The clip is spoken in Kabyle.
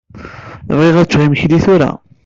Bɣiɣ ad ččeɣ imekli tura.